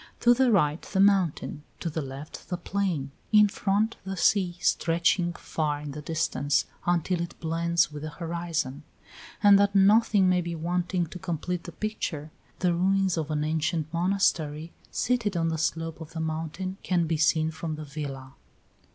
To the right, the mountain; to the left, the plain; in front, the sea, stretching far in the distance, until it blends with the horizon; and that nothing may be wanting to complete the picture, the ruins of an ancient monastery, seated on the slope of the mountain, can be seen from the villa.